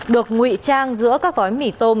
được ngụy trang giữa các gói mì tôm